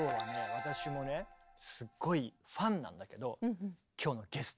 私もねすごいファンなんだけど今日のゲスト。